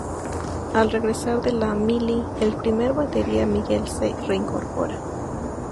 Al regresar de la mili, el primer batería, Miguel, se reincorpora.